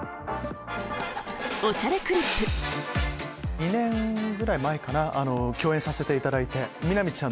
２年ぐらい前かな共演させていただいて美波ちゃん